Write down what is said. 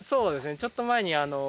ちょっと前に。